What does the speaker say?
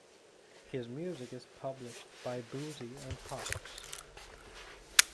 His music is published by Boosey and Hawkes.